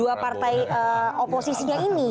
dua partai oposisinya ini